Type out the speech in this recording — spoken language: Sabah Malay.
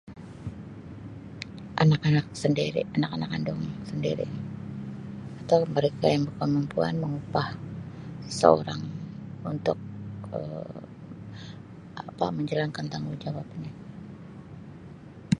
Anak-anak sendiri, anak-anak kandung sendiri atau mereka yang perempuan mengupah seseorang untuk Um apa menjalankan tanggungjawab ni.